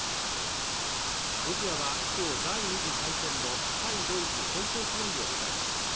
ロシアは今日第２次大戦の対ドイツ戦勝記念日を迎えます